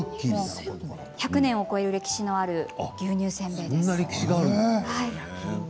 １００年を超える歴史のある牛乳せんべいです。